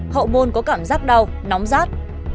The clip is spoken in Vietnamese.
hậu môn có cảm giác đau nóng rát